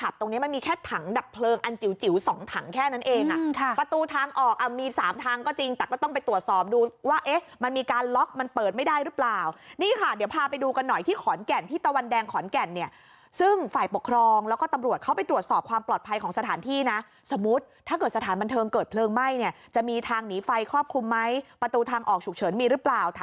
บอกเอามีสามทางก็จริงแต่ก็ต้องไปตรวจสอบดูว่ามันมีการล็อคมันเปิดไม่ได้หรือเปล่านี่ค่ะเดี๋ยวพาไปดูกันหน่อยที่ขอนแก่นที่ตะวันแดงขอนแก่นเนี่ยซึ่งฝ่ายปกครองแล้วก็ตำรวจเข้าไปตรวจสอบความปลอดภัยของสถานที่นะสมมุติถ้าเกิดสถานบันเทิงเกิดเพลิงไหมจะมีทางหนีไฟครอบคลุมไหมประตูท